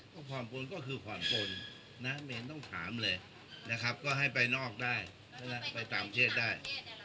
ก็ความปนก็คือความปนนะไม่ต้องถามเลยนะครับก็ให้ไปนอกได้ไปตามเทศได้